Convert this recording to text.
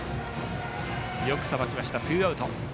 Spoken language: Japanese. よくさばきました、ツーアウト。